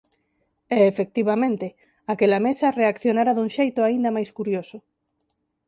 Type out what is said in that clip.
E, efectivamente: aquela mesa reaccionara dun xeito aínda máis curioso.